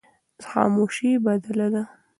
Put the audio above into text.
خاموشي بدله ده.